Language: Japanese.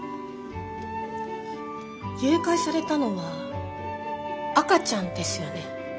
誘拐されたのは赤ちゃんですよね？